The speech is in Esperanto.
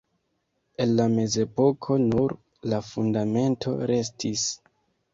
El la mezepoko nur la fundamento restis.